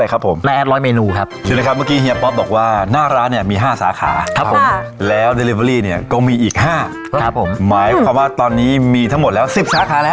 ได้ว่าขี้เกียจแบบไหนครับถึงรวยได้ขนาดนี้ครับ